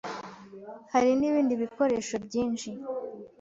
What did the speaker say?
hari n’ibindi bikoresho byinshi